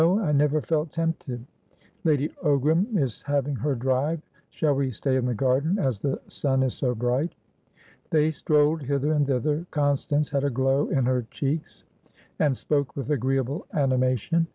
I never felt tempted." "Lady Ogram is having her drive. Shall we stay in the garden, as the sun is so bright?" They strolled hither and thither. Constance had a glow in her checks, and spoke with agreeable animation.